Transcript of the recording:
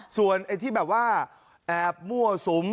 ส่วนไอ้ที่แบบว่าแอบมั่วสุม